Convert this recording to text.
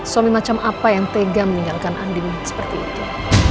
suami macam apa yang tega meninggalkan andin seperti itu